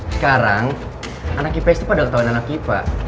sekarang anak kipa itu pada ketauan anak kipa